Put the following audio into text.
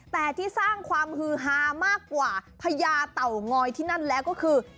แต่ที่สร้างความฮือฮามากกว่าพญาเต่างอยที่นั่นแล้วก็คือ